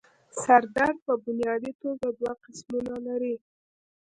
سر درد پۀ بنيادي توګه دوه قسمونه لري